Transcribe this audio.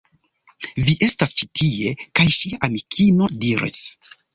Vi estas ĉi tie! kaj ŝia amikino diris: